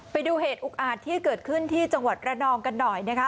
ไปดูเหตุอุกอาจที่เกิดขึ้นที่จังหวัดระนองกันหน่อยนะคะ